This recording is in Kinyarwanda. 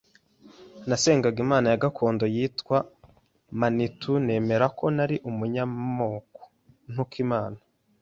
Nasengaga imana ya gakondo yitwa Manitou. Nemera ko nari umunyamoko, ntuka Imana.